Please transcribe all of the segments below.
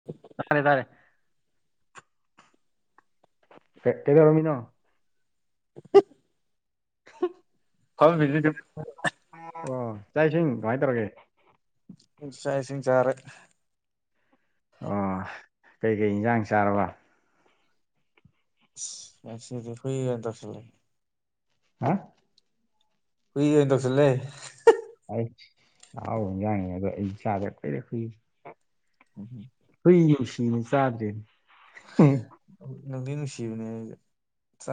[inaudible] ꯇꯥꯔꯦ ꯚꯥꯏ ꯀꯩ ꯀꯩꯗꯧꯔꯝꯃꯤꯅꯣ [inaudible] [unintelligible] [unintelligible] ꯑꯣ ꯆꯥꯛ ꯏꯁꯤꯡ ꯀꯃꯥꯏ ꯇꯧꯔꯒꯦ ꯆꯥꯛ ꯏꯁꯤꯡ ꯆꯥꯔꯦ ꯑꯣ ꯀꯩꯀꯩ ꯏꯟꯖꯥꯡ ꯆꯥꯔꯕ ꯏꯁ ꯉꯁꯤꯗꯤ ꯍꯨꯏ ꯑꯣꯏꯅ ꯇꯧꯁꯜꯂꯦ ꯍꯥ ꯍꯨꯏ ꯑꯣꯏꯅ ꯇꯧꯁꯤꯜꯂꯦ ꯑꯩ ꯍꯥꯎꯟꯖꯥꯡꯅꯤ ꯑꯗꯣ ꯑꯩ ꯆꯥꯗ ꯀꯨꯏꯔꯦ ꯍꯨꯏ ꯎꯝ ꯍꯨꯝ ꯍꯨꯏ ꯅꯨꯡꯁꯤꯅ ꯆꯥꯗ꯭ꯔꯦ ꯅꯨꯡꯗꯤ ꯅꯨꯡꯁꯤꯕꯅꯦ ꯑꯩꯖꯨ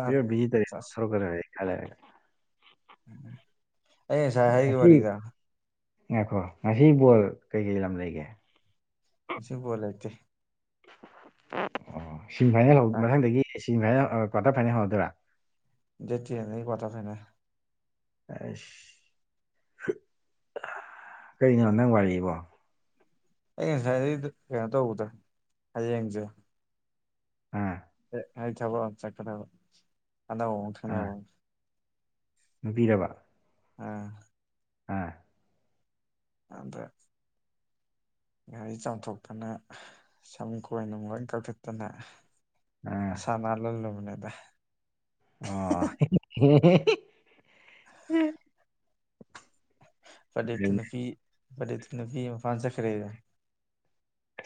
ꯄꯤꯌꯨꯔ ꯚꯤꯖꯤꯇꯔꯤꯌꯟ ꯑꯣꯊꯣꯔꯛꯒꯗꯧꯔꯦ ꯈꯔ ꯂꯩꯔꯒꯦ ꯎꯝ ꯎꯝ ꯑꯩ ꯉꯁꯥꯏ ꯍꯥꯏꯦꯒꯤ ꯋꯥꯔꯤ ꯉꯁꯤ ꯋꯥꯔꯤꯗ ꯉꯥꯏꯈꯣ ꯉꯁꯤ ꯕꯣꯜ ꯀꯩꯀꯩ ꯂꯝ ꯂꯩꯒꯦ ꯉꯁꯤ ꯕꯣꯜ ꯂꯩꯇꯦ ꯑꯣ ꯁꯤꯃꯤꯐꯥꯏꯅꯦꯜ ꯍꯧ ꯃꯊꯪꯗꯒꯤ ꯁꯤꯃꯤꯐꯥꯏꯅꯦꯜ ꯑ ꯀ꯭ꯋꯥꯔꯇꯔ ꯐꯥꯏꯅꯦꯜ ꯍꯧꯔꯗꯣꯏꯔꯥ ꯗꯦꯠ ꯆꯦꯟ ꯗꯩ ꯀꯥꯋꯇꯔ ꯐꯥꯏꯅꯦꯜ ꯑꯁ ꯀꯩꯅꯣ ꯅꯪ ꯋꯥꯔꯤꯕꯣ ꯑꯩ ꯉꯁꯥꯏꯗꯩ ꯀꯩꯅꯣ ꯇꯧꯕꯗ ꯍꯌꯦꯡꯖꯦ ꯑꯥ [unintelligible] ꯊꯕꯛ ꯑꯃꯥ ꯆꯠꯀꯗꯧꯕ ꯑꯅꯧꯕꯥ ꯑꯃꯥ ꯑꯥ ꯈꯪꯅꯕ ꯅꯨꯄꯤꯔꯕ ꯑ ꯑꯥ ꯑꯗ ꯒꯥꯔꯤ ꯆꯥꯝꯊꯣꯛꯇꯅ ꯁꯝ ꯀꯣꯏꯅꯨꯡ ꯂꯣꯏ ꯀꯛꯊꯠꯇꯅ ꯑꯥ ꯃꯁꯥ ꯅꯥꯜꯍꯜꯂꯕꯅꯦꯗꯥ ꯑꯣ ꯄꯔ꯭ꯗꯤꯞꯇꯣ ꯅꯨꯄꯤ ꯄꯔ꯭ꯗꯤꯞꯇꯣ ꯅꯨꯄꯤ ꯃꯄꯥꯝ ꯆꯠꯈ꯭ꯔꯦꯌꯦ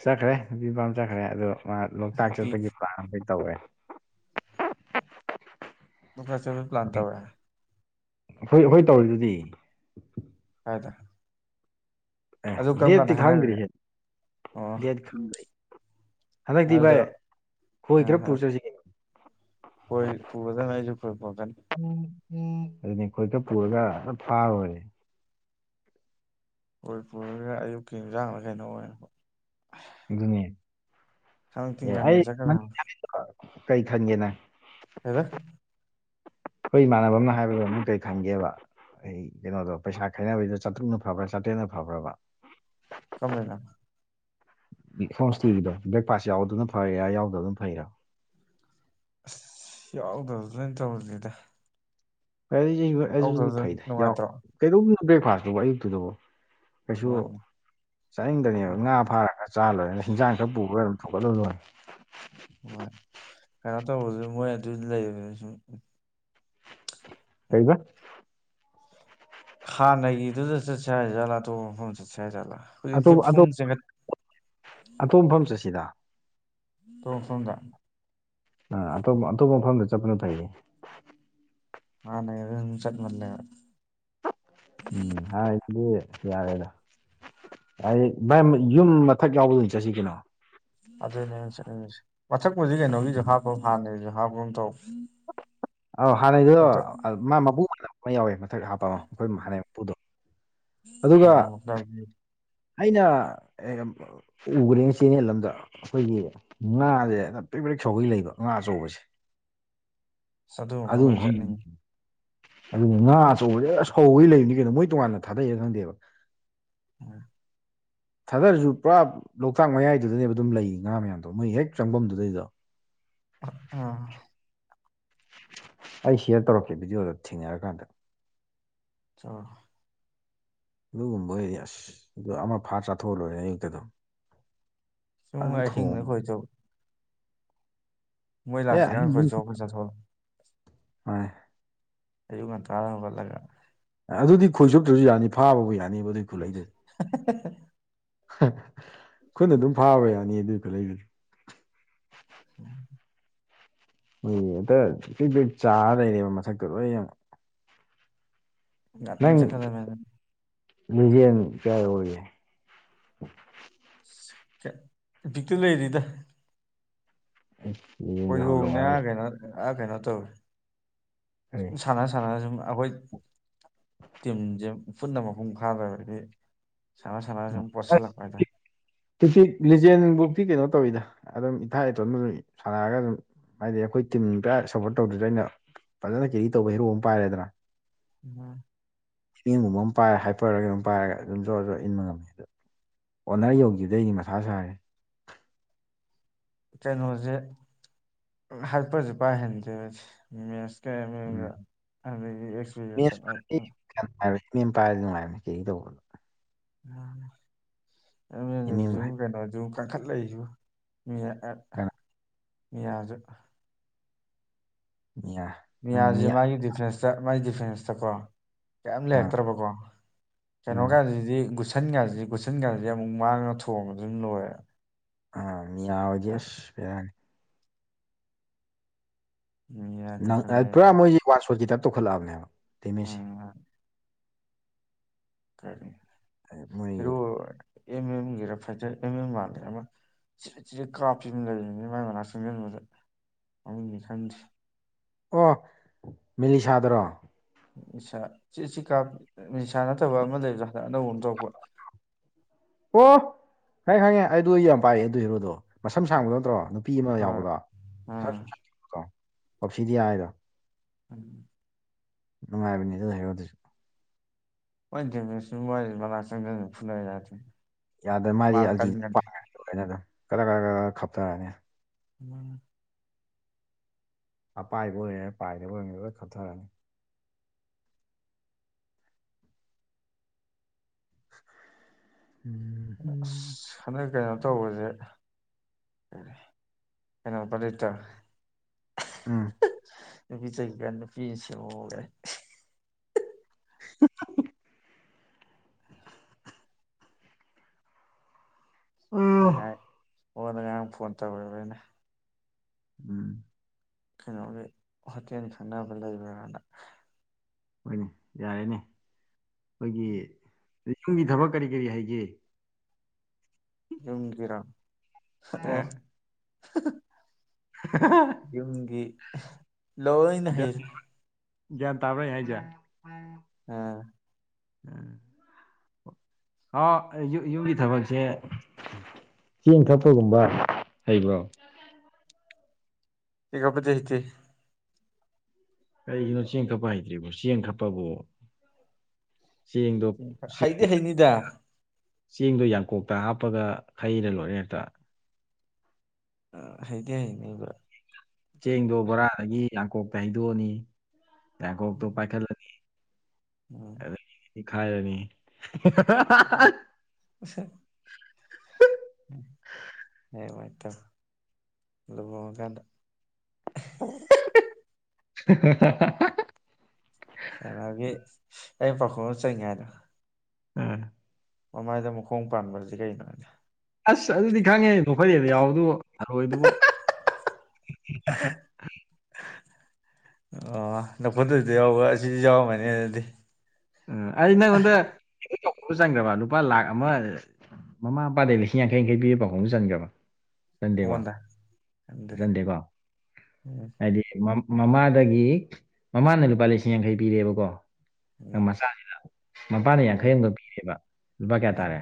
ꯆꯠꯈ꯭ꯔꯦ ꯅꯨꯄꯤ ꯃꯄꯥꯝ ꯆꯠꯈ꯭ꯔꯦ ꯑꯗꯣ ꯃꯥ ꯂꯣꯛꯇꯥꯛ ꯅꯨꯄꯤ ꯆꯠꯄꯒꯤ ꯄ꯭ꯂꯥꯟ ꯑꯃꯗꯤ ꯇꯧꯏ ꯂꯣꯛꯇꯥꯛ ꯆꯠꯄꯩ ꯄ꯭ꯂꯥꯟ ꯇꯧꯋꯦ ꯑꯩꯈꯣꯏ ꯑꯩꯈꯣꯏ ꯇꯧꯔꯤꯗꯨꯗꯤ ꯀꯥꯏꯗ ꯑꯗꯨ ꯑꯦ ꯀꯔꯝ ꯀꯥꯟꯗ ꯗꯦꯠꯇꯤ ꯈꯪꯗ꯭ꯔꯤ ꯍꯥꯏꯅꯈ꯭ꯔꯒꯦ ꯍꯦ ꯑꯣ ꯗꯦꯠ ꯈꯪꯗꯔꯤ ꯍꯟꯗꯛꯇꯤ ꯚꯥꯏ ꯑꯗꯨꯗ ꯈꯣꯏ ꯈꯔ ꯄꯨꯔ ꯆꯠꯁꯦ꯫ ꯈꯣꯏ ꯄꯨꯒꯗꯥꯃꯦ ꯑꯩꯁꯨ ꯈꯣꯏ ꯄꯨꯔꯛꯀꯅꯤ ꯑꯗꯨꯅꯦ ꯈꯣꯏ ꯈꯔ ꯄꯨꯔꯒ ꯐꯥꯔꯨꯔꯖꯦ ꯈꯣꯏ ꯄꯨꯔꯒ ꯑꯌꯨꯛꯀꯤ ꯍꯤꯟꯖꯥꯡꯂꯥꯥ ꯀꯩꯅꯣ ꯑꯣꯏꯔꯕ ꯑꯗꯨꯅꯦ ꯈꯪꯇꯤ ꯑꯦ ꯉꯟꯅ ꯑꯩ ꯆꯠꯀꯗꯕꯅꯤ [unintelligible] ꯀꯩ ꯈꯟꯒꯦꯅ ꯀꯩꯕꯥ ꯈꯣꯏ ꯏꯃꯥꯟꯅꯕ ꯑꯃꯅ ꯍꯥꯏꯕꯗꯣ ꯅꯪ ꯀꯩ ꯈꯟꯒꯦꯕ ꯑꯩ ꯀꯩꯅꯣꯗꯣ ꯄꯩꯁꯥ ꯈꯥꯏꯅꯕꯩꯗꯣ ꯆꯥꯇꯔꯨꯛꯅ ꯐꯕ꯭ꯔꯥ ꯆꯥꯇꯔꯦꯠꯅ ꯐꯕ꯭ꯔꯕ ꯀꯝꯕꯩꯅꯣ ꯍꯣꯝꯁꯇꯦꯒꯤꯗꯣ ꯕ꯭ꯔꯦꯛꯐꯥꯁ ꯌꯥꯎꯕꯗꯨꯅ ꯐꯔꯤꯔꯥ ꯌꯥꯎꯗꯕꯗꯨꯅ ꯐꯩꯔꯥ ꯑꯁ ꯌꯥꯎꯗꯕꯗꯨꯗ ꯑꯣꯏꯅꯥ ꯇꯧꯔꯖꯦꯗꯥ [unintelligible] ꯐꯩꯗ ꯌꯥꯎ ꯅꯨꯡꯉꯥꯏꯇ꯭ꯔꯣ ꯀꯩꯗꯧꯗꯣꯏꯅꯣ ꯕ꯭ꯔꯦꯛꯐꯥꯁꯇꯨꯕꯣ ꯑꯌꯨꯛꯇꯨꯗꯕꯨ ꯀꯩꯁꯨ ꯍꯣꯏꯅꯦ ꯆꯥꯅꯤꯡꯗꯅꯦꯕ ꯎꯝ ꯉꯥ ꯐꯥꯔꯒ ꯆꯥ ꯂꯣꯏꯔꯦ ꯍꯤꯟꯖꯥꯡ ꯈꯔ ꯄꯨꯈꯔ ꯑꯗꯨꯝ ꯊꯣꯡꯒꯠꯂꯨꯔꯥ ꯂꯣꯏꯔꯦ ꯍꯣꯏ ꯀꯩꯅꯣ ꯇꯧꯔꯥꯖꯨ ꯃꯣꯏ ꯑꯗꯨ ꯂꯩꯔꯤꯃꯤꯅ ꯁꯨꯝ ꯀꯩꯕ ꯍꯥꯟꯅꯒꯤꯗꯨꯗ ꯆꯠꯁꯦ ꯍꯥꯏꯖꯥꯠꯂꯥ ꯑꯇꯣꯞꯄ ꯃꯐꯝꯗ ꯆꯠꯁꯦ ꯍꯥꯏꯖꯠꯂꯥ ꯑꯇꯣꯞ ꯑꯇꯣꯞ ꯑꯇꯣꯞ ꯃꯐꯝ ꯆꯠꯁꯤꯗ ꯑꯇꯣꯞꯄꯥ ꯃꯐꯝꯗ ꯑ ꯑꯇꯣꯞ ꯑꯇꯣꯞꯄ ꯃꯐꯝꯗ ꯆꯠꯄꯅ ꯐꯩꯌꯦ ꯍꯟꯅꯩꯗꯣ ꯑꯗꯨꯝ ꯆꯠꯃꯥꯜꯂꯦꯕꯥ ꯎꯝ ꯍꯟꯅꯩꯗꯨꯗꯤ ꯌꯥꯔꯦꯗ ꯍꯥꯌꯗꯤ ꯚꯥꯏ ꯌꯨꯝ ꯃꯊꯛ ꯌꯥꯎꯕꯗꯣ ꯑꯣꯏꯅ ꯆꯠꯁꯤ ꯀꯩꯅꯣ ꯑꯗꯨꯅꯦ ꯑꯩꯅꯥ ꯆꯠꯅꯤꯡꯉꯤꯁꯦ ꯃꯊꯛꯄꯨꯁꯤ ꯀꯩꯅꯣꯒꯤꯁꯨ ꯍꯥꯞꯄ ꯍꯥꯟꯅꯒꯤꯖꯤ ꯍꯥꯞꯄꯒꯨꯝ ꯇꯧ ꯑꯧ ꯍꯥꯟꯅꯩꯗꯣ ꯂꯣꯛꯇꯥꯛ ꯃꯥ [unintelligible] ꯑꯃ ꯌꯥꯎꯋꯦ ꯃꯊꯛ ꯍꯥꯞꯄ ꯑꯃ ꯑꯩꯈꯣꯏ ꯍꯥꯟꯅꯩ ꯃꯄꯨꯗꯣ ꯑꯗꯨꯒ ꯑꯥ ꯂꯣꯛꯇꯥꯛꯀꯤ ꯑꯩꯅ ꯎꯒꯔ꯭ꯦꯅꯦ ꯆꯦꯅꯦꯜ ꯑꯝꯗ ꯑꯩꯈꯣꯏꯒꯤ ꯉꯥꯖꯦ ꯄꯔꯤꯛ ꯄꯔꯤꯛ ꯁꯧꯒꯩ ꯂꯩꯕ ꯉꯥ ꯑꯆꯧꯕꯁꯦ ꯑꯗꯨ ꯃꯐꯝꯗ [unintelligible] ꯑꯣꯏꯅ ꯆꯠꯅꯤꯡꯉꯤ ꯑꯗꯨ ꯉꯥ ꯑꯆꯧꯕꯁꯦ ꯁꯧꯒꯩ ꯂꯩꯕꯅꯤ ꯀꯩꯅꯣ ꯃꯣꯏ ꯇꯣꯉꯥꯟꯅ ꯊꯥꯗꯩꯔꯥ ꯈꯪꯗꯦꯕ [unintelligible] ꯊꯥꯗꯔꯖꯨ ꯄꯨꯔꯥ ꯂꯣꯛꯇꯥꯛ ꯃꯌꯥꯏꯗꯨꯗꯅꯦꯕ ꯑꯗꯨꯝ ꯂꯩ ꯉꯥ ꯃꯌꯥꯝꯗꯣ ꯃꯣꯏ ꯍꯦꯛ ꯆꯪꯕꯝꯗꯨꯗꯩꯗ ꯑꯥ ꯑꯩ ꯁꯤꯌꯔ ꯇꯧꯔꯛꯀꯦ ꯚꯤꯗꯤꯑꯣꯗ ꯊꯦꯡꯅꯔꯀꯥꯟꯗ꯫ ꯑ ꯑꯗꯨꯒꯨꯝꯕ ꯑꯣꯏꯔꯗꯤ ꯑꯁ ꯑꯗꯨ ꯑꯃ ꯐꯥꯔ ꯆꯥꯊꯣꯛꯍꯜꯂꯣꯏꯔꯦ ꯑꯌꯨꯛꯇ ꯑꯗꯨꯝ [unintelligible] ꯍꯁꯤꯡꯗ ꯈꯣꯏ ꯆꯧ ꯃꯣꯏ ꯂꯥꯛꯇ꯭ꯔꯤꯀꯥꯟꯗ ꯈꯣꯏꯆꯣꯞꯀ ꯆꯥꯊꯣꯛꯂꯛꯑꯣ [unintelligible] ꯑꯌꯨꯛ ꯉꯟꯇꯥꯗ ꯍꯩꯒꯠꯂꯒ ꯑꯗꯨꯗꯤ ꯈꯣꯏꯁꯆꯨꯞꯇ꯭ꯔꯁꯨ ꯌꯥꯅꯤ ꯐꯥꯕꯕꯨ ꯌꯥꯅꯤꯕ ꯑꯗꯨꯏ ꯈꯨꯠꯂꯩꯗꯨꯗꯤ꯫ [unintelligible] ꯈꯨꯠꯅ ꯑꯗꯨꯝ ꯐꯥꯕ ꯌꯥꯅꯤ ꯑꯗꯨꯏ ꯑꯗꯨꯏ ꯈꯨꯂꯩꯗꯨꯗꯤ꯫ ꯎꯝ ꯍꯣꯏꯌꯦ ꯍꯦꯛꯇ ꯄꯔ꯭ꯤꯛ ꯄ꯭ꯔꯤꯛ ꯆꯥꯔ ꯂꯩꯔꯦꯕ ꯃꯊꯛꯇ ꯂꯣꯏꯅ꯫ ꯉꯟꯅ ꯅꯪ ꯆꯠꯀꯗꯕꯅꯦ ꯂꯤꯖꯦꯟ ꯀꯌꯥ ꯌꯧꯔꯒꯦ? ꯏꯄꯤꯛꯇ ꯂꯩꯔꯤꯗ ꯂꯤꯖꯦꯟ ꯌꯧꯍꯜꯂꯣ ꯍꯥꯏꯔꯒꯥ ꯫ ꯑ ꯀꯩꯅꯣ ꯇꯧꯋꯦ ꯀꯔꯤ ꯁꯨꯝ ꯁꯥꯟꯅ ꯁꯥꯟꯅꯅ ꯁꯨꯝ ꯑꯩꯈꯣꯏ ꯇꯤꯝ ꯖꯦ ꯄꯨꯟꯅ ꯃꯄꯨꯝ ꯐꯥꯗ꯭ꯔꯗꯤ ꯁꯥꯟꯅ ꯁꯥꯟꯅꯅ ꯁꯨꯝ ꯄꯣꯠꯁꯤꯜꯂꯛꯄ ꯍꯥꯏꯇꯥꯔꯦ꯫ ꯏꯄꯤꯛ ꯂꯤꯖꯦꯟꯕꯨꯗꯤ ꯀꯩꯅꯣ ꯇꯧꯋꯤꯗ ꯑꯗꯨꯝ ꯏꯁꯥ ꯏꯇꯣꯟꯗ ꯑꯗꯨꯝ ꯁꯥꯟꯅꯔꯒ ꯑꯗꯨꯝ ꯍꯥꯏꯗꯤ ꯑꯩꯈꯣꯏ ꯇꯤꯝ ꯄꯨꯔ ꯁꯞꯄꯣꯔꯠ ꯇꯧꯗ꯭ꯔꯁꯨ ꯑꯩꯅ ꯐꯖꯅ ꯀꯦꯔꯤ ꯇꯧꯕ ꯍꯦꯔꯣ ꯑꯃ ꯄꯥꯏꯔꯦꯗꯅ ꯎꯝ ꯆꯦꯡꯒꯨꯝꯕ ꯑꯃ ꯄꯥꯏꯔ ꯍꯥꯏꯄꯔꯔ ꯀꯩꯅꯣꯝ ꯄꯥꯏꯔꯒ ꯑꯗꯨꯝ ꯖꯣꯔꯣ ꯖꯣꯔꯣ ꯏꯟꯕ ꯉꯝꯃꯦ ꯑꯗꯨ ꯑꯣꯅꯔ ꯌꯧꯈꯤꯕꯗꯩꯅꯤ ꯃꯁꯥ ꯁꯥꯔꯦ꯫ ꯀꯩꯅꯣꯁꯦ ꯍꯥꯄꯔ ꯖꯦ ꯄꯥꯏꯍꯟꯗ꯭ꯔꯦ ꯑꯩꯗꯤ ꯃꯦꯁ ꯎꯝ ꯃꯦꯁ [unintelligible] [unintelligible] ꯄꯥꯏꯔꯗꯤ ꯅꯨꯡꯥꯏꯕꯅꯤ ꯀꯦꯔꯤ ꯇꯧꯕ ꯑꯦꯝ ꯑꯦꯜ ꯖꯤ ꯏꯃꯦꯝꯒ ꯍꯥꯏ ꯍꯨꯖꯤꯛ ꯑꯃꯨꯛ ꯀꯩꯅꯣꯁꯨ ꯀꯟꯈꯠꯂꯛꯏꯁꯨ ꯃꯤꯌꯥ ꯑꯥ ꯀꯅꯥ ꯃꯤꯌꯥꯁꯨ ꯃꯤꯌꯥ ꯎꯝ ꯃꯤꯌꯥꯝꯖꯤ ꯃꯤꯌꯥ ꯃꯥꯒꯤ ꯗꯤꯐ꯭ꯔꯦꯟꯁꯇ ꯃꯥꯒꯤ ꯗꯤꯐ꯭ꯔꯦꯟꯁꯇꯀꯣ ꯀꯩꯝ ꯑꯥ ꯂꯩꯔꯛꯇ꯭ꯔꯕꯀꯣ ꯀꯩꯅꯣ ꯑꯥ ꯒꯥꯁꯤꯗꯤ ꯒꯨꯁ ꯁꯟ ꯀꯁꯤ ꯒꯨꯠꯁꯟ ꯀꯁꯤ ꯑꯃꯨꯛ ꯃꯥꯡꯅ ꯊꯣꯝꯕ ꯑꯗꯨꯝ ꯂꯣꯏꯔꯦ ꯑ ꯃꯤꯌꯥ ꯃꯤꯌꯥ ꯍꯣꯏꯗꯤ ꯑꯁ ꯕꯦꯔꯅꯤ! [unintelligible] ꯋꯥꯔ ꯁꯣꯠ ꯀꯤ ꯇꯥꯏꯞ ꯇꯧꯈꯠꯂꯛꯑꯝꯅꯦ ꯍꯥꯏꯕꯥ꯫ [unintelligible] [unintelligible] ꯃꯣꯏꯒꯤ ꯖꯤꯔꯤꯠ ꯖꯤꯔꯤꯠ ꯀꯥꯞꯄꯤ ꯑꯃ ꯂꯩꯔꯤꯅꯤ ꯃꯥꯏ ꯃꯅꯥꯛ ꯆꯪꯁꯤꯟꯕꯗ ꯃꯃꯤꯡꯗꯤ ꯈꯪꯗꯦ꯫ ꯑꯣ ꯃꯤꯂꯤꯁꯥꯗꯨꯔꯣ? ꯅꯤꯁꯥ ꯆꯦ ꯆ ꯀꯥꯞ ꯅꯤꯁꯥ ꯅꯠꯇꯕ ꯑꯃ ꯂꯩꯕꯗꯥ ꯍꯟꯗꯛ ꯑꯅꯧꯕ ꯑꯃ ꯊꯣꯔꯛꯄ꯫ ꯑꯣ ꯈꯪꯉꯦ ꯈꯪꯉꯦ ꯑꯩꯗꯣ ꯑꯩ ꯌꯥꯝ ꯄꯥꯏꯌꯦ ꯑꯗꯨ ꯏꯔꯣꯗꯣ ꯃꯁꯝ ꯁꯥꯡꯕ ꯗꯣ ꯅꯠꯇ꯭ꯔꯣ? ꯅꯨꯄꯤ ꯑꯃ ꯍꯣꯏ ꯌꯥꯎꯕꯗꯗꯣ ꯑꯥ [unintelligible] ꯑꯣꯞꯁꯤꯗꯤꯌꯥ ꯍꯥꯏꯗꯣ ꯎꯝ ꯅꯨꯡꯉꯥꯏꯕꯅꯦ ꯑꯗꯨ ꯍꯦꯔꯣ ꯗꯨꯖꯨ ꯫ [unintelligible] ꯌꯥꯗ꯭ꯔꯦ ꯃꯥꯗꯤ ꯃꯥꯅ ꯑꯜꯗꯤ ꯀꯟꯒꯅꯤ ꯄꯥꯏꯔꯒ ꯑꯗꯨꯝ ꯒꯔ ꯒꯔ ꯈꯞꯊꯔꯅꯤ꯫ [unintelligible] ꯑꯄꯥꯏꯕ ꯑꯣꯏꯒꯦꯔꯥ ꯄꯥꯏꯗꯕ ꯑꯣꯏꯒꯦꯔꯥ ꯂꯣꯏ ꯈꯞꯊꯔꯅꯤ꯫ ꯎꯝ ꯑꯁ ꯍꯟꯗ ꯀꯩꯅꯣ ꯇꯧꯕꯁꯦ ꯎꯝ [unintelligible] ꯅꯨꯄꯤ [unintelligible] ꯁꯦꯝꯃꯣꯒꯥꯏ [inaudible] ꯎꯝ ꯅꯥꯏ ꯑꯣꯗ ꯉꯔꯥꯡ ꯐꯣꯟ ꯇꯧꯔꯣꯏꯕ ꯑꯩꯅ ꯎꯝ ꯀꯩꯅꯣꯒꯤ ꯍꯣꯇꯦꯜ ꯈꯪꯅꯕ ꯂꯩꯕ꯭ꯔꯅ ꯍꯣꯏꯅꯦ ꯌꯥꯔꯦꯅꯦ ꯑꯩꯈꯣꯏꯒꯤ ꯌꯨꯝꯒꯤ ꯊꯕꯛ ꯀꯔꯤ ꯀꯔꯤ ꯍꯩꯒꯦ ꯌꯨꯝꯒꯤꯔꯣ ꯑꯣ [unintelligible] ꯌꯨꯝꯒꯤ ꯂꯣꯏꯅ ꯒ꯭ꯌꯥꯟ ꯍꯩꯔꯦ ꯒ꯭ꯌꯥꯟ ꯇꯥꯕ꯭ꯔꯥ ꯑꯩꯅ ꯍꯥꯏꯁꯦ ꯑꯥ ꯎꯝ ꯑꯥꯎ ꯌꯨꯝꯒꯤ ꯊꯕꯛꯁꯦ ꯆꯦꯡ ꯇꯛꯄꯒꯨꯝꯕ ꯍꯩꯕ꯭ꯔꯣ ꯆꯦꯡ ꯈꯥꯞꯄꯗꯤ ꯍꯩꯇꯦ ꯀꯩꯒꯤꯅꯣ ꯆꯦꯡ ꯈꯞꯄ ꯍꯩꯇ꯭ꯔꯤꯕꯣ ꯆꯦꯡ ꯈꯛꯄꯕꯨ ꯆꯦꯡ ꯍꯩꯗꯤ ꯍꯩꯅꯤꯗ ꯆꯦꯡꯗꯣ ꯌꯥꯡꯀꯣꯛꯇ ꯍꯥꯞꯄꯒ ꯈꯩꯔ ꯂꯣꯏꯔꯦ ꯍꯦꯛꯇ ꯑ ꯍꯩꯗ ꯍꯩꯅꯤꯕ ꯑꯗꯨ ꯆꯦꯡꯗꯣ ꯕꯣꯔꯥꯗꯒꯤ ꯌꯥꯡꯀꯣꯛꯇ ꯍꯩꯗꯣꯛꯑꯅꯤ ꯌꯥꯡꯀꯣꯛꯇꯣ ꯄꯥꯏꯈꯠꯂꯅꯤ ꯎꯝ ꯑ ꯈꯥꯏꯅꯤ ꯁꯠ ꯍꯌꯦꯡ ꯋꯥꯏ ꯇꯧ ꯂꯨꯍꯣꯡ ꯉꯥꯀꯟꯗ [unintelligible] ꯑꯗꯒꯤ ꯑꯩ ꯄꯥꯎꯈꯣꯝ ꯑꯃꯥ ꯆꯟꯒꯦ ꯍꯥꯢꯗꯣ ꯑꯥ ꯃꯃꯥꯏꯗ ꯃꯈꯣꯡ ꯄꯥꯟꯕꯁꯤ ꯀꯩꯅꯣ ꯑꯗꯨꯗꯤ ꯑꯁ ꯑꯗꯨꯗꯤ ꯈꯪꯉꯦ ꯅꯣꯛꯐꯗꯦꯗꯑ ꯌꯥꯎꯕꯗꯨꯕꯨ ꯊꯥꯔꯣꯏꯗꯨꯕꯨ [inaudible] ꯑꯥ ꯅꯣꯛꯐꯗꯦꯗꯥ ꯌꯥꯎꯕ ꯑꯁꯤꯁꯨ ꯌꯥꯎꯔꯝꯃꯅꯤ ꯑꯗꯨꯗꯤ ꯎꯝ ꯑꯩ ꯅꯪꯉꯣꯟꯗ ꯄꯥꯎꯈꯣꯝ ꯆꯟꯒꯔꯕ ꯂꯨꯄꯥ ꯂꯥꯛ ꯑꯃ ꯃꯃꯥ ꯃꯄꯥꯗꯩ ꯂꯤꯁꯤꯡ ꯌꯥꯡꯈꯩ ꯌꯥꯡꯈꯩ ꯄꯤꯕ ꯄꯥꯎꯈꯣꯝ ꯆꯟꯈ꯭ꯔꯕ ꯆꯟꯗꯦꯀꯣ ꯑꯩꯉꯣꯟꯗ ꯑꯗꯨꯗꯤ ꯆꯟꯗꯦꯀꯣ ꯎꯝ ꯍꯥꯏꯗꯤ ꯃꯃꯥꯗꯒꯤ ꯃꯃꯥꯅ ꯂꯨꯄꯥ ꯂꯤꯁꯤꯡ ꯌꯥꯡꯈꯩ ꯄꯤꯔꯦꯕꯀꯣ ꯎꯝ ꯃꯆꯥꯁꯤꯗ ꯃꯄꯥꯅ ꯌꯥꯡꯈꯩ ꯎꯝ ꯑꯃꯒ ꯄꯤꯔꯦꯕ ꯂꯨꯄꯥ ꯀꯌꯥ ꯇꯥꯔꯦ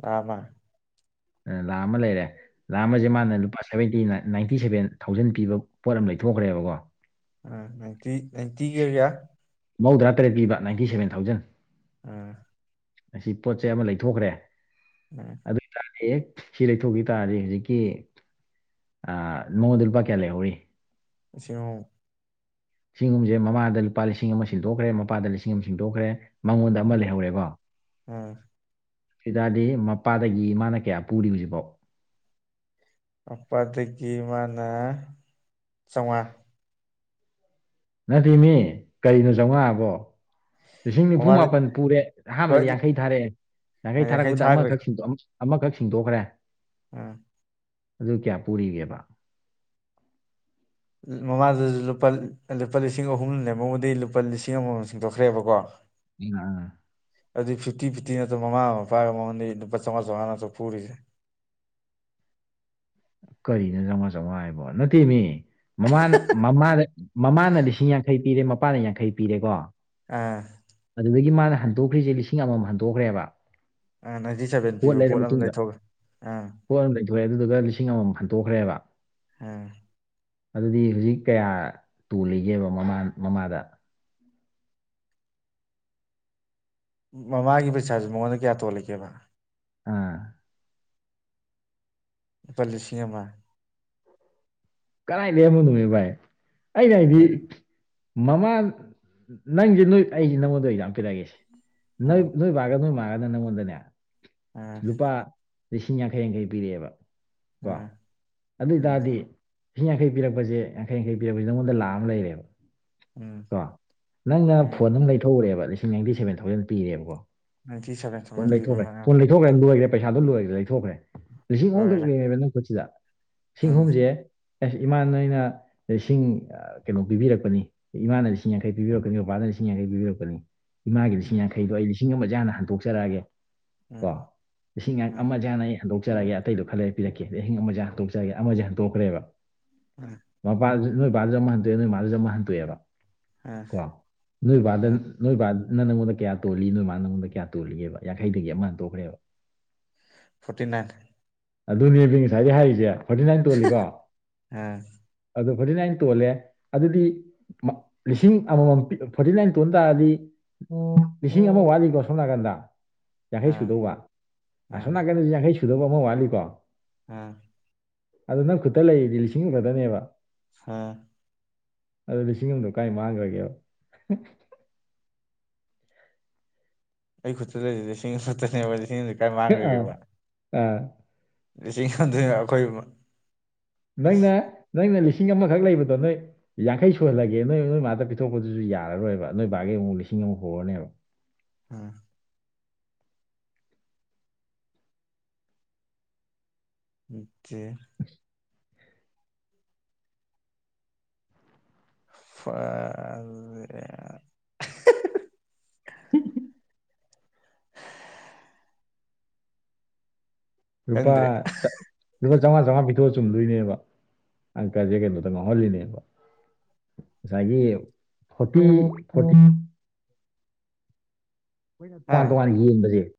ꯆꯝꯃꯥ ꯂꯥꯛ ꯑꯃ ꯂꯩꯔꯦ ꯂꯥꯛ ꯑꯃꯁꯦ ꯃꯥꯅ ꯂꯨꯄꯥ ꯁꯕꯦꯟꯇꯤ ꯅꯥꯏꯟꯇꯤ ꯁꯕꯦꯟ ꯊꯥꯎꯖꯟ ꯄꯤꯕ ꯄꯣꯠ ꯑꯃ ꯂꯩꯊꯣꯛꯈ꯭ꯔꯦꯕꯀꯣ ꯅꯥꯏꯟꯇꯤ ꯅꯥꯏꯟꯇꯤꯒ ꯀꯌꯥ ꯃꯧꯗ꯭ꯔꯥ ꯇꯔꯦꯠ ꯄꯤꯕ ꯅꯥꯏꯇꯤ ꯁꯕꯦꯟ ꯊꯥꯎꯖꯟ ꯎꯝ ꯑꯁꯤ ꯄꯣꯠ ꯆꯩ ꯑꯃ ꯂꯩꯊꯣꯛꯈ꯭ꯔꯦ ꯎꯝ ꯑꯗꯨ ꯑꯣꯏꯇꯥꯔꯗꯤ ꯁꯤ ꯂꯩꯊꯣꯛꯈꯤ ꯇꯥꯔꯗꯤ ꯍꯧꯖꯤꯛꯀꯤ ꯑ ꯃꯗ ꯂꯨꯄꯥ ꯀꯌꯥ ꯂꯩꯍꯧꯔꯤ ꯂꯤꯁꯤꯡ ꯑꯍꯨꯝ ꯂꯤꯁꯤꯡ ꯂꯨꯄꯥ ꯂꯤꯁꯤꯡ ꯑꯃ ꯁꯤꯟꯗꯣꯛꯈ꯭ꯔꯦ ꯃꯄꯥꯗ ꯂꯤꯁꯤꯡ ꯑꯃ ꯁꯤꯟꯗꯣꯛꯈ꯭ꯔꯦ ꯃꯉꯣꯟꯗ ꯑꯃ ꯂꯩꯍꯧꯔꯦꯕ ꯎꯝ ꯗꯨꯗꯤ ꯃꯄꯥꯗꯒꯤ ꯃꯥꯅ ꯀꯌꯥ ꯄꯨꯔꯤ ꯍꯧꯖꯤꯛꯕꯥꯎ ꯕꯄꯥꯗꯒꯤ ꯃꯥꯅ ꯆꯧꯉꯥ ꯅꯠꯇꯦ ꯃꯤ ꯀꯔꯤꯅꯣ ꯆꯧꯉꯥ ꯑꯕꯣ ꯂꯤꯁꯤꯡ ꯅꯤꯐꯨ ꯃꯃꯥꯗ ꯃꯥꯄꯟ ꯄꯨꯔꯦ ꯍꯣꯏ ꯑꯍꯥꯟꯕꯗ ꯌꯥꯡꯈꯩ ꯊꯥꯔꯛꯑꯦ ꯌꯥꯡꯈꯩ ꯊꯥꯔꯛꯄꯗ ꯑꯃꯈꯛ ꯁꯤꯡꯗꯣꯛ ꯑꯃꯈꯛ ꯁꯤꯡꯗꯣꯛꯈ꯭ꯔꯦ ꯑ ꯑꯗꯨ ꯀꯌꯥ ꯄꯨꯔꯤꯒꯦꯕ ꯃꯃꯥꯗꯨꯖꯨ ꯂꯨꯄꯥ ꯂꯨꯄꯥ ꯂꯤꯁꯤꯡ ꯑꯍꯨꯝ ꯂꯦꯝꯍꯧꯕꯗꯩꯩ ꯂꯨꯄꯥ ꯂꯤꯁꯤꯡ ꯑꯃꯝꯃꯝ ꯁꯤꯡꯗꯣꯛꯈ꯭ꯔꯦꯕꯀꯣ ꯏꯪꯑꯥ ꯑꯗꯩ ꯐꯤꯐꯇꯤ ꯐꯤꯐꯇꯤ ꯅꯠꯇ꯭ꯔꯣ ꯃꯃꯥꯒ ꯃꯄꯥꯒ ꯃꯉꯣꯟꯗꯩ ꯂꯨꯄꯥ ꯆꯥꯎꯉꯥ ꯆꯥꯎꯉꯥꯅꯠꯇ꯭ꯔꯣ ꯄꯨꯔꯤꯖꯦ ꯑ ꯀꯔꯤꯅꯣ ꯆꯉ꯭ꯋꯥ ꯆꯉ꯭ꯋꯥ ꯍꯥꯏꯕꯣ ꯅꯠꯇꯦꯃꯤ ꯃꯃꯥꯅ ꯃꯃꯥꯗ ꯃꯃꯥꯅ ꯂꯤꯁꯤꯡ ꯌꯥꯡꯈꯩ ꯄꯤꯔꯦ ꯃꯄꯥꯅ ꯌꯥꯡꯈꯩ ꯄꯤꯔꯦꯀꯣ ꯑꯥ ꯑꯗꯨꯗꯒꯤ ꯃꯥꯅ ꯍꯟꯗꯣꯛꯈ꯭ꯔꯤꯁꯦ ꯂꯤꯁꯤꯡ ꯑꯃꯝꯃꯝ ꯍꯟꯗꯣꯛꯈ꯭ꯔꯦꯕ ꯑ ꯅꯥꯏꯟꯇꯤ ꯁꯚꯦꯟ ꯄꯤꯕ ꯂꯩꯔ ꯄꯣꯠ ꯑꯃ ꯃꯇꯨꯡꯗ ꯂꯩꯊꯣꯛꯈꯦ ꯑꯥ ꯄꯣꯠ ꯑꯃ ꯂꯩꯊꯣꯛꯑꯦ ꯑꯗꯨꯗꯨꯒ ꯂꯤꯁꯤꯡ ꯑꯃꯝꯃꯝ ꯍꯟꯇꯣꯛꯈ꯭ꯔꯦꯕ ꯑ ꯑꯗꯨꯗꯤ ꯍꯧꯖꯤꯛ ꯀꯌꯥ ꯇꯣꯜꯂꯤꯒꯦꯕ ꯃꯃꯥꯟ ꯃꯃꯥꯗ ꯃꯃꯥꯒꯤ ꯄꯩꯁꯥꯥꯖꯦ ꯃꯉꯣꯟꯗ ꯀꯌꯥ ꯇꯣꯂꯤꯒꯦꯕ ꯑꯥ ꯂꯨꯄꯥ ꯂꯤꯁꯤꯡ ꯑꯃ ꯀꯔꯥꯏꯗꯩ ꯑꯃꯅꯣꯍꯦ ꯚꯥꯏ ꯑꯩꯅ ꯍꯥꯏꯗꯤ ꯑꯦ ꯃꯃꯥꯟ ꯅꯪꯖꯦ ꯅꯣꯏ ꯑꯩꯖꯦ ꯅꯪꯉꯣꯟꯗ ꯑꯦꯛꯖꯥꯝ ꯄꯤꯔꯛꯑꯒꯦꯁꯦ ꯅꯩꯞ ꯑꯥ ꯅꯣꯏ ꯕꯥꯒ ꯅꯣꯏ ꯃꯥꯒꯅ ꯅꯪꯉꯣꯟꯗꯅꯦ ꯑꯥ ꯂꯨꯄꯥ ꯂꯤꯁꯤꯡ ꯌꯥꯡꯈꯩ ꯌꯥꯡꯈꯩ ꯄꯤꯔꯛꯑꯦꯕ ꯀꯣ ꯑꯥ ꯎꯝ ꯑꯗꯣꯏꯇꯥꯔꯗꯤ ꯂꯤꯁꯤꯡ ꯌꯥꯡꯈꯩ ꯄꯤꯔꯄꯖꯦ ꯌꯥꯡꯈꯩ ꯌꯥꯡꯈꯩ ꯄꯤꯔꯛꯖꯦ ꯅꯪꯉꯣꯟꯗ ꯂꯥꯛ ꯑꯃ ꯂꯩꯔꯦꯕ ꯎꯝ ꯀꯣ ꯅꯪꯅ ꯎꯝ ꯐꯣꯟ ꯑꯃ ꯂꯩꯊꯣꯛꯎꯔꯦꯕ ꯂꯤꯁꯤꯡ ꯅꯥꯏꯇꯤ ꯁꯦꯚꯦꯟ ꯊꯥꯎꯖꯟ ꯄꯤꯔꯦꯕꯀꯣ ꯅꯥꯏꯟꯇꯤ ꯁꯚꯦꯟ ꯐꯣꯟ ꯊꯥꯎꯖꯟ ꯄꯤꯕ ꯂꯩꯊꯣꯛꯈ꯭ꯔꯦ ꯑꯃ ꯐꯣꯟ ꯂꯩꯊꯣꯛꯈ꯭ꯔꯦ ꯂꯣꯏꯒ꯭ꯔꯦ ꯄꯩꯁꯥꯗꯣ ꯂꯣꯏꯒ꯭ꯔꯦ ꯂꯩꯊꯣꯛꯈ꯭ꯔꯦ ꯂꯤꯁꯤꯡ ꯂꯣꯏꯔꯦ ꯑꯍꯨꯝꯈꯛꯅꯦꯕ ꯅꯪ ꯈꯨꯠꯁꯤꯗ ꯂꯤꯁꯤꯡ ꯎꯝ ꯑꯍꯨꯝꯖꯦ ꯑꯦꯁ ꯏꯃꯥꯟ ꯅꯣꯏꯅ ꯂꯤꯁꯤꯡ ꯀꯩꯅꯣ ꯄꯤꯕꯤꯔꯛꯄꯅꯤ ꯏꯃꯥꯅ ꯂꯤꯁꯤꯡ ꯌꯥꯡꯈꯩ ꯄꯤꯕꯤꯔꯛꯄꯅꯤ ꯕꯕꯥꯅ ꯂꯤꯁꯤꯡ ꯌꯥꯡꯈꯩ ꯄꯤꯕꯤꯔꯛꯄꯅꯤ ꯏꯃꯥꯒꯤ ꯂꯤꯁꯤꯡ ꯎꯝ ꯌꯥꯡꯈꯩꯗꯣ ꯑꯩ ꯂꯤꯁꯤꯡ ꯑꯃꯖꯦ ꯍꯟꯗꯣꯛꯆꯔꯛꯑꯒꯦ ꯀꯣ ꯎꯝ ꯂꯤꯁꯤꯡ ꯎꯝ ꯑꯃꯖꯦ ꯍꯥꯟꯅ ꯑꯩ ꯍꯟꯗꯣꯛꯆꯔꯒꯦ ꯑꯇꯩꯗꯨ ꯈꯔ ꯂꯩꯔ ꯄꯤꯔꯛꯀꯦ ꯂꯤꯁꯤꯡ ꯑꯃꯖꯦ ꯍꯟꯇꯣꯛꯆꯔꯒꯦ ꯑꯃꯖꯦ ꯍꯟꯇꯣꯛꯈ꯭ꯔꯦꯕ ꯑ ꯃꯄꯥꯗꯖꯨ ꯅꯣꯏꯕꯥꯗꯖꯨ ꯑꯃ ꯍꯟꯇꯣꯛꯑꯦ ꯅꯣꯏ ꯃꯥꯗꯖꯨ ꯑꯃ ꯍꯟꯇꯣꯛꯑꯦꯕ ꯎꯝ ꯀꯣ ꯅꯣꯏ ꯕꯥꯗ ꯎꯝ ꯅꯣꯏꯕꯥꯅ ꯅꯪꯉꯣꯟꯗ ꯀꯌꯥ ꯇꯣꯜꯂꯤ ꯅꯣꯏ ꯃꯥꯅ ꯅꯪꯉꯣꯟꯗ ꯀꯌꯥ ꯇꯣꯜꯂꯤꯒꯦꯕ ꯌꯥꯡꯈꯩꯗꯒꯤ ꯑꯃ ꯍꯟꯗꯣꯛꯈ꯭ꯔꯦꯕ ꯐꯣꯔꯇꯤ ꯅꯥꯏꯟ ꯑꯗꯨꯅꯦꯕꯤ ꯉꯁꯥꯏꯗꯩ ꯍꯥꯏꯔꯤꯖꯦ ꯐꯣꯔꯇꯤ ꯅꯥꯏꯟ ꯇꯣꯜꯂꯤꯀꯣ ꯑ ꯑꯗꯨ ꯐꯣꯔꯇꯤ ꯅꯥꯏꯟ ꯇꯣꯜꯂꯦ ꯑꯗꯨꯗꯤ ꯃꯛ ꯂꯤꯁꯤꯡ ꯑꯃꯝꯃꯝ ꯐꯣꯔꯇꯤ ꯅꯥꯏꯟ ꯇꯣꯟ ꯇꯥꯔꯗꯤ ꯂꯤꯁꯤꯡ ꯑꯃ ꯋꯥꯠꯂꯤꯀꯣ ꯁꯣꯝ ꯅꯥꯀꯟꯗ ꯌꯥꯡꯈꯩ ꯑꯥ ꯁꯨꯗꯧꯕ ꯑꯥ ꯑꯁꯣꯝ ꯅꯥꯀꯟꯗꯖꯨ ꯌꯥꯡꯈꯩ ꯁꯨꯗꯧꯕ ꯑꯃ ꯋꯥꯠꯂꯤꯀꯣ ꯑ ꯑꯗꯨ ꯅꯪ ꯈꯨꯠꯇ ꯂꯩꯔꯤꯗꯤ ꯂꯤꯁꯤꯡ ꯑꯃꯈꯛꯇꯅꯦꯕ ꯍ ꯑꯗꯣ ꯂꯤꯁꯤꯡ ꯑꯃꯗꯣ ꯀꯥꯏ ꯃꯥꯡꯒ꯭ꯔꯒꯦꯕ ꯑꯩ ꯈꯨꯠꯇ ꯂꯩꯔꯤꯖꯦ ꯂꯤꯁꯤꯡ ꯑꯃꯈꯠꯇꯅꯦꯕ ꯑꯥ ꯑꯥ ꯂꯤꯁꯤꯡ ꯑꯃꯗꯨꯅ ꯑꯩꯈꯣꯏ ꯏꯃꯣꯠ ꯅꯪꯅ ꯅꯪꯅ ꯂꯤꯁꯤꯡ ꯑꯃꯈꯛ ꯂꯩꯕꯗꯣ ꯅꯣꯏ ꯌꯥꯡꯈꯩ ꯁꯨꯍꯜꯂꯒꯦ ꯅꯣꯏ ꯅꯣꯏ ꯃꯥꯗ ꯄꯤꯊꯣꯛꯄꯗꯨꯁꯨ ꯌꯥꯔꯔꯣꯏꯕ ꯅꯣꯏ ꯕꯥꯒꯤ ꯑꯃꯨꯛ ꯂꯤꯁꯤꯡ ꯑꯃ ꯍꯣꯔꯅꯦꯕ ꯎꯝ [unintelligible] [unintelligible] [unintelligible] [unintelligible] ꯔꯨꯄꯥ ꯈꯪꯗ꯭ꯔꯦ ꯂꯄꯥ ꯆꯥꯝꯃꯉꯥ ꯆꯥꯝꯃꯉꯥ ꯄꯤꯊꯣꯛꯑꯒ ꯆꯨꯝꯗꯣꯏꯅꯦꯕ ꯑꯪꯀꯜꯁꯦ ꯀꯩꯅꯣꯗ ꯉꯥꯎꯍꯜꯂꯤꯅꯦꯕ ꯉꯁꯥꯏꯒꯤ ꯐꯇꯤ ꯐꯇꯤ ꯑꯩꯈꯣꯏꯅ ꯍꯥ ꯇꯣꯉꯥꯟ ꯇꯣꯉꯥꯟ ꯌꯦꯡꯕꯁꯦ